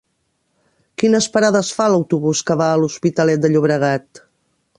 Quines parades fa l'autobús que va a l'Hospitalet de Llobregat?